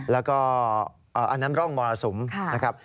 แล้วก็อันนั้นร่องมรสุมนะครับ